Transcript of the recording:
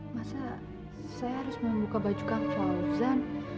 masa saya harus membuka baju kak fauzan